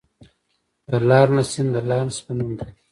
د لارنسیم د لارنس په نوم دی.